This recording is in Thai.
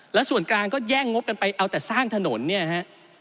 แล้วส่วนกลางก็แย่งงบกันไปเอาแต่สร้างถนนเนี่ยฮะ